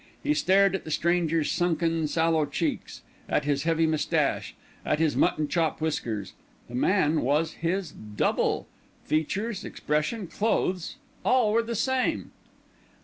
He stared at the stranger's sunken, sallow cheeks, at his heavy moustache, at his mutton chop whiskers. The man was his double: features, expression, clothes; all were the same.